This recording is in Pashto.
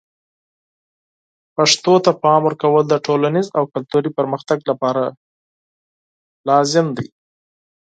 پښتو ته د پام ورکول د ټولنیز او کلتوري پرمختګ لپاره لازم دي.